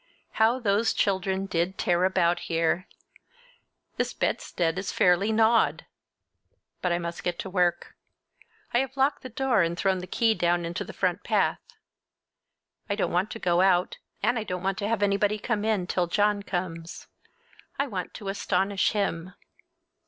How those children did tear about here! This bedstead is fairly gnawed! But I must get to work. I have locked the door and thrown the key down into the front path. I don't want to go out, and I don't want to have anybody come in, till John comes. I want to astonish him.